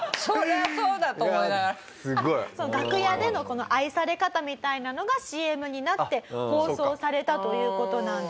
楽屋でのこの愛され方みたいなのがＣＭになって放送されたという事なんです。